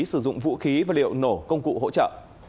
sử dụng vũ khí và liệu nổ công cụ hỗ trợ